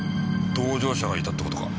同乗者がいたって事か。